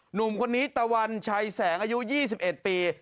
หนุ่มคนนี้ตะวันชัยแสงอายุ๒๑ปี